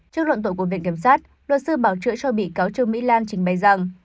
trước luận tội của viện kiểm sát luật sư bảo chữa cho bị cáo trương mỹ lan trình bày rằng